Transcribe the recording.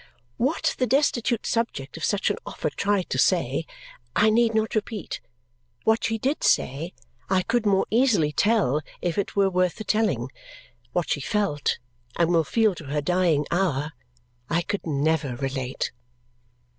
What the destitute subject of such an offer tried to say, I need not repeat. What she did say, I could more easily tell, if it were worth the telling. What she felt, and will feel to her dying hour, I could never relate.